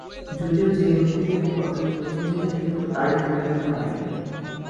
যদিও যে নথিতে এই চুক্তির কথা লিপিবদ্ধ হয়ে রয়েছে সেটিতে কোনও তারিখ উল্লিখিত হয়নি।